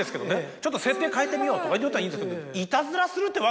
ちょっと設定変えてみようとかだったらいいんですけど。